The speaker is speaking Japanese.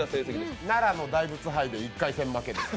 奈良の大仏杯で１回戦負けです。